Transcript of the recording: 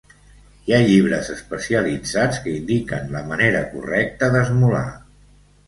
Hi ha llibres especialitzats que indiquen la manera correcta d'esmolar.